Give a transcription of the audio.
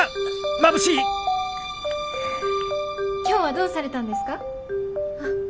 今日はどうされたんですか？